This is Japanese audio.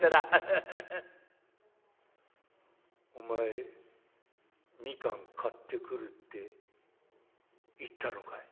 「お前蜜柑買ってくるって言ったのかい？」。